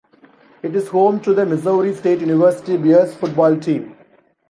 It is home to the Missouri State University Bears football team.